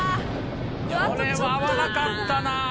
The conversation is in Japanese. これは合わなかったな。